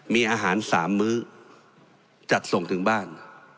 มีอาหาร๓มื้อจัดส่งถึงบ้าน